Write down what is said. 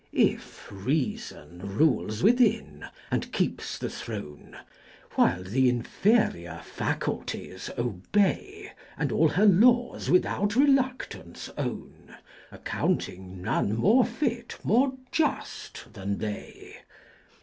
2. If Reafon rules within, and keeps the Throng, While the inferior Faculties obey. And all her Laws without Reluftance own. Accounting none more fit, more juft. than they.